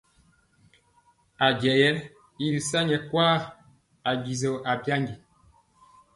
Ajɛ yɛ i ri sa nyɛ kwaa, ajisɔ abyandi.